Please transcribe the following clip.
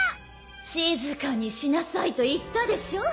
静かにしなさいと言ったでしょう。